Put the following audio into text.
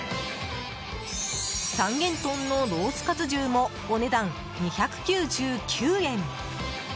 三元豚のロースかつ重もお値段２９９円。